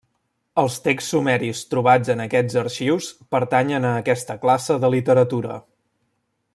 Els texts sumeris trobats en aquests arxius pertanyen a aquesta classe de literatura.